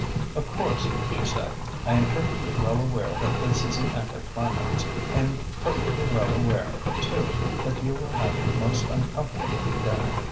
"Of course," she said, "I am perfectly well aware that this is an anti climax. I am perfectly well aware, too, that you will have a most uncomfortable dinner.